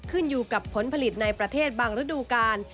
ขึ้นอยู่กับผลผลิตในประเทศบางฤดูกาล